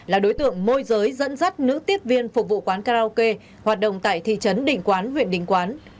là đối tượng môi giới dẫn dắt nữ tiếp viên phục vụ quán karaoke hoạt động tại thị trấn định quán huyện đình quán